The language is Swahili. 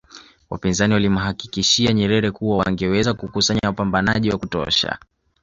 Wapinzani walimhakikishia Nyerere kuwa wangeweza kukusanya wapambanaji wa kutosha